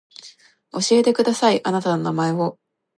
教えてくださいあなたの名前を